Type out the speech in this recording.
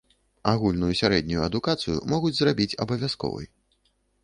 Агульную сярэднюю адукацыю могуць зрабіць абавязковай.